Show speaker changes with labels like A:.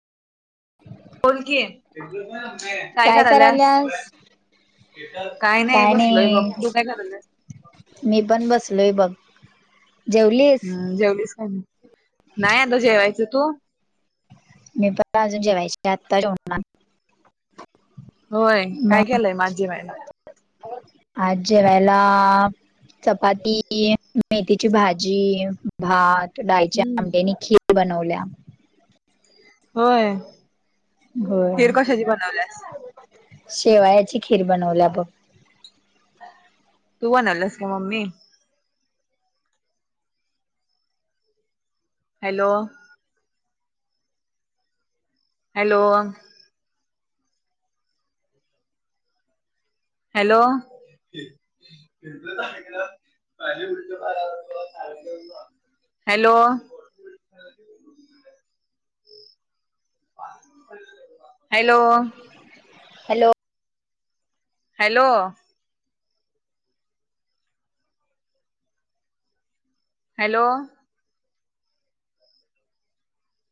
A: बोलकीी [inaudible] आहे काय करायल्यास. [inaudible] काय नाही बलय बघ तू काय करालास.
B: मी पण बसलोय बघ. जेवली.
A: हम्म जेवलीस का [inaudible] नाही नाही आता जेवायचं तू
B: मी पण अजून जेवायचे आता जेवनना [inaudible]
A: होय काय केलंय माझी महिना.
B: [inaudible] आज पेला. चपाती मेथीची भाजी. भात डाळीच्या
A: हम्म
B: आंड्यांनी खीर बनवल्या. [inaudible]
A: होय.
B: हो
A: खीर कशाची बनवल्यास
B: शेवायाची खीर बनवल्या बघ.
A: तू बनलस का मम्मी हॅलो! हॅलो! हॅलो! पा पा [unintelligible] hello! [inaudible] Hello
B: hello!
A: Hello! Hello!